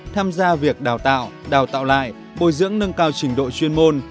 tham gia việc đào tạo đào tạo lại bồi dưỡng nâng cao trình độ chuyên môn